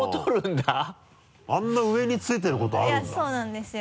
あんな上についてることあるんだそうなんですよ。